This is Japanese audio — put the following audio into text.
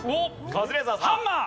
カズレーザーさん。